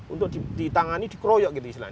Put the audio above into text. untuk ditangani dikroyok gitu di silang